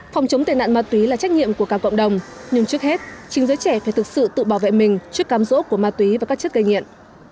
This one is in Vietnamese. phòng chống tệ nạn ma túy là trách nhiệm của cả cộng đồng nhưng trước hết chính giới trẻ phải thực sự tự bảo vệ mình trước cám rỗ của ma túy và các chất gây nghiện